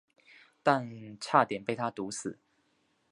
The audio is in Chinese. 但差点被他毒死。